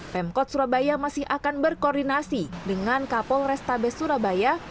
pemkot surabaya masih akan berkoordinasi dengan kapol restabes surabaya